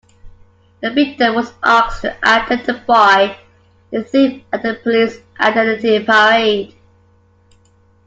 The victim was asked to identify the thief at a police identity parade